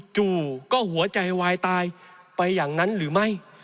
อยู่ก็หัวใจวายตายไปอย่างนั้นหรือไม่